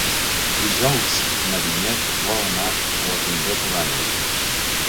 Dijous na Vinyet vol anar a la Guingueta d'Àneu.